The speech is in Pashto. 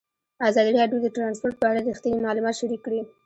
ازادي راډیو د ترانسپورټ په اړه رښتیني معلومات شریک کړي.